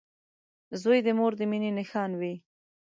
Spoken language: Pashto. • زوی د مور د مینې نښان وي.